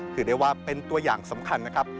ถือได้ว่าเป็นตัวอย่างสำคัญนะครับ